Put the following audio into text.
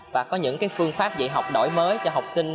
và có những phương pháp dạy học đổi mới cho học sinh